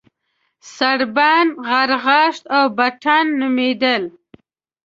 سړبن، غرغښت او بټن نومېدل.